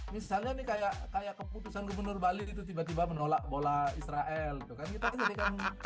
misalnya nih kayak keputusan gubernur bali itu tiba tiba menolak bola israel itu kan kita kan jadi kan